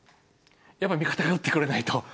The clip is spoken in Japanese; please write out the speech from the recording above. やっぱり味方が打ってくれないと。